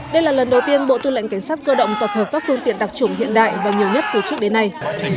đây là lần đầu tiên bộ tư lệnh cảnh sát cơ động tập hợp các phương tiện đặc trùng hiện đại và nhiều nhất từ trước đến nay